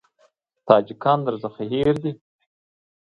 تاجکان درڅخه هېر دي.